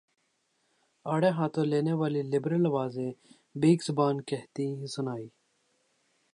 آڑے ہاتھوں لینے والی لبرل آوازیں بیک زبان کہتی سنائی